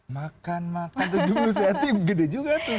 makan makan tujuh puluh cm gede juga tuh